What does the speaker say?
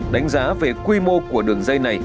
đánh giá về quy mô của đường dây này